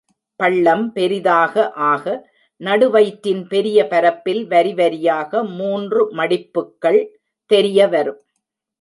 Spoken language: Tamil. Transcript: பள்ளம் பெரிதாக ஆக, நடு வயிற்றின் பெரிய பரப்பில் வரிவரியாக மூன்று மடிப்புக்கள் தெரியவரும்.